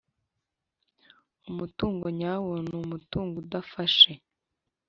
Umutungo nyawo n’umutungo udafashe